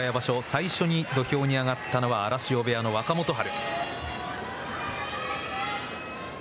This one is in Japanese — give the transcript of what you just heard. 最初に土俵に上がったのは荒汐部屋の若元春。